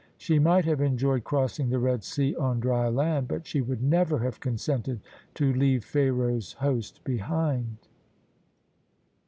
She might have enjoyed crossing the Red Sea on dry land; but she would never have consented to leave Pharaoh's host behind.